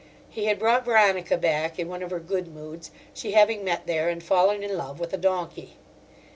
He had brought Veronica back in one of her good moods, she having met there and fallen in love with a donkey.